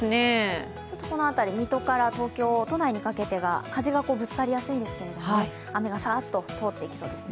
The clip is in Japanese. この辺り、水戸から東京都内にかけてが風がぶつかりやすいんですが雨がさーっと通っていきそうですね。